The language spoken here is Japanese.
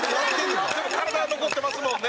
でも体は残ってますもんね。